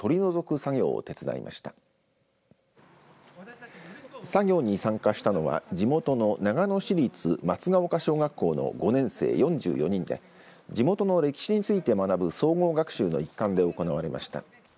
作業に参加したのは地元の長野市立松ヶ丘小学校の５年生４４人で地元の歴史について学ぶ総合学習の一環で行われました。